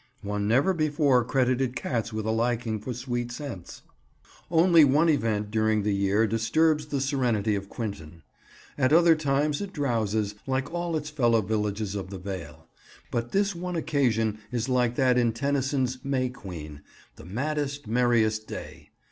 One never before credited cats with a liking for sweet scents. Only one event during the year disturbs the serenity of Quinton. At other times it drowses, like all its fellow villages of the vale; but this one occasion is like that in Tennyson's May Queen, the "maddest, merriest day."